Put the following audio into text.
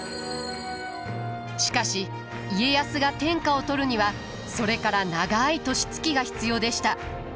しかし家康が天下を取るにはそれから長い年月が必要でした。